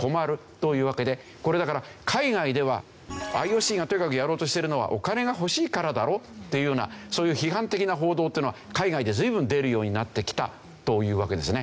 これだから海外ではＩＯＣがとにかくやろうとしてるのはお金が欲しいからだろっていうようなそういう批判的な報道っていうのは海外で随分出るようになってきたというわけですね。